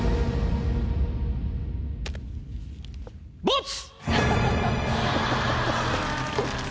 ボツ。